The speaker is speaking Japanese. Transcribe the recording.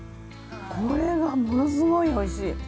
これがものすごいおいしい。